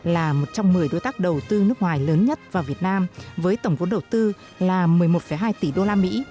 là một trong một mươi đối tác đầu tư nước ngoài lớn nhất vào việt nam với tổng vốn đầu tư là một mươi một hai tỷ usd